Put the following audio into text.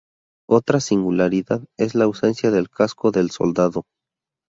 Otra singularidad es la ausencia del casco del soldado.